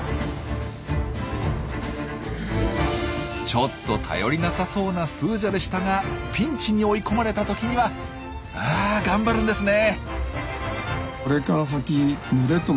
ちょっと頼りなさそうなスージャでしたがピンチに追い込まれたときには頑張るんですね！